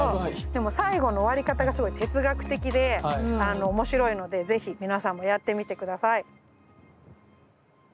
でも最後の終わり方がすごい哲学的で面白いので是非皆さんもやってみて下さい。